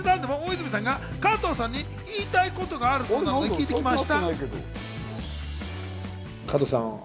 そして、何でも大泉さんが加藤さんに言いたいことがあるそうなので聞いてきました。